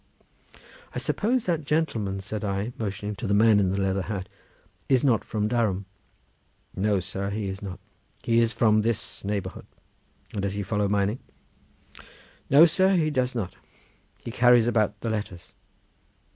"I suppose that gentleman," said I, motioning to the man in the leather hat, "is not from Durham?" "No, sir, he is not; he is from the neighbourhood." "And does he follow mining?" "No, sir, he does not; he carries about the letters."